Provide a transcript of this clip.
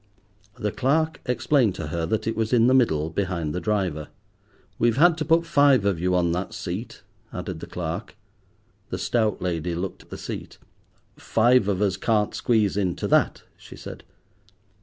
The clerk explained to her that it was in the middle behind the driver. "We've had to put five of you on that seat," added the clerk. The stout lady looked at the seat. "Five of us can't squeeze into that," she said.